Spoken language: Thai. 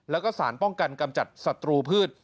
แล้วก็สารป้องกันกำจัดศัตรูพืช